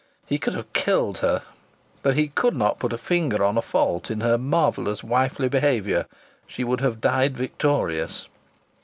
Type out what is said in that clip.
He could have killed her, but he could not put a finger on a fault in her marvellous wifely behaviour; she would have died victorious.